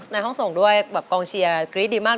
ในห้องส่งด้วยแบบกองเชียร์กรี๊ดดีมาก